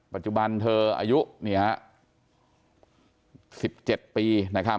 ปัจจุบันเธออายุ๑๗ปี